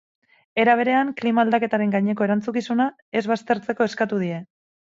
Era berean, klima-aldaketaren gaineko erantzukizuna ez baztertzeko eskatu die.